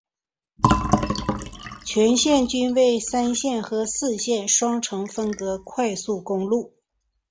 全线均为三线或四线双程分隔快速公路。